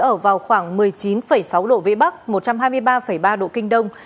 ở vào khoảng một mươi chín sáu độ vĩ bắc một trăm hai mươi ba ba độ kinh đông